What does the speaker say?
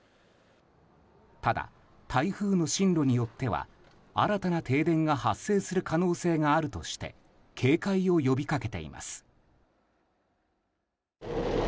ただ、台風の進路によっては新たな停電が発生する可能性があるとして警戒を呼びかけています。